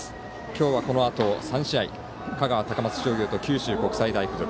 今日はこのあと３試合香川、高松商業と福岡九州国際大付属。